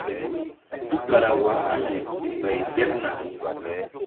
Tukala waah aŋay si ɓay ɓeɓ na.